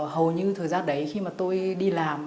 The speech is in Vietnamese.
hầu như thời gian đấy khi mà tôi đi làm